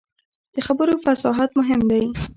د خبرو فصاحت مهم دی